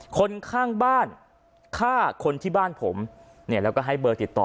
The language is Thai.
คนข้างบ้านฆ่าคนที่บ้านผมเนี่ยแล้วก็ให้เบอร์ติดต่อ